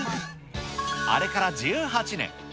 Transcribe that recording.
あれから１８年。